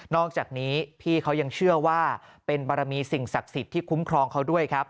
อกจากนี้พี่เขายังเชื่อว่าเป็นบารมีสิ่งศักดิ์สิทธิ์ที่คุ้มครองเขาด้วยครับ